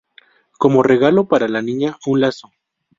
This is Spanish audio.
Como regalo para la niña un Lazo.